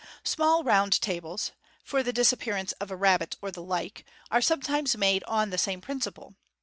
Small round tables (for the disappearance of a rabbit, or the like) are sometimes made on the same principle.